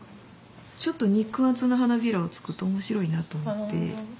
ちょっと肉厚な花びらを作ると面白いなと思って。